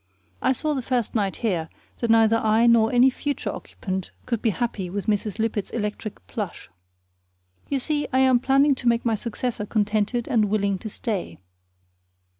I saw the first night here that neither I nor any future occupant could be happy with Mrs. Lippett's electric plush. You see, I am planning to make my successor contented and willing to stay.